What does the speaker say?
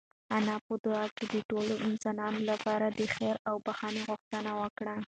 انا په دعا کې د ټولو انسانانو لپاره د خیر او بښنې غوښتنه وکړه.